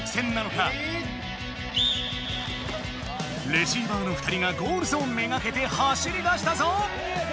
レシーバーの２人がゴールゾーン目がけて走りだしたぞ！